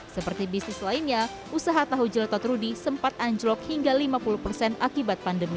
seperti bisnis lainnya usaha tahu jelotot rudy sempat anjlok hingga lima puluh persen akibat pandemi